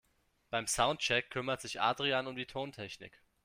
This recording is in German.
Beim Soundcheck kümmert sich Adrian um die Tontechnik.